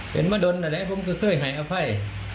เห็นโบดอนไหนผมก็จะกล่วยหายอภัย